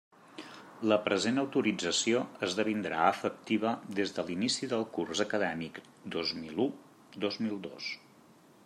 La present autorització esdevindrà efectiva des de l'inici del curs acadèmic dos mil u dos mil dos.